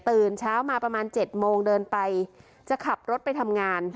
เช้ามาประมาณ๗โมงเดินไปจะขับรถไปทำงาน